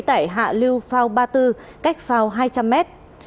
tại hạ lưu phao ba mươi bốn cách phao hai trăm linh mét